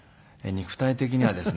肉体的にはですね。